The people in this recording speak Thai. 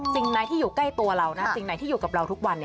สิ่งไหนที่อยู่ใกล้ตัวเรานะสิ่งไหนที่อยู่กับเราทุกวัน